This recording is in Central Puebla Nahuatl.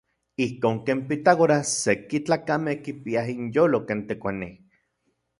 Ijkon ken Pitágoras seki tlakamej kipiaj inyolo ken tekuanij.